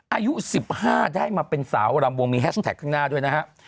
อายุ๑๕ได้มาเป็นสาวรำวงมีแฮชแท็กข้างหน้าด้วยนะครับ